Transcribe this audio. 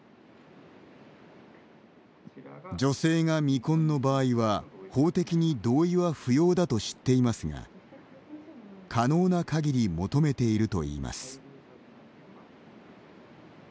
女性が未婚の場合は法的に同意は不要だと知っていますが可能な限り求めているといいます。